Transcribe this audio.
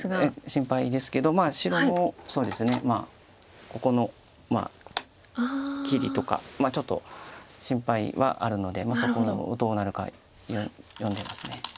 心配ですけど白もここの切りとかちょっと心配はあるのでそこどうなるか読んでます。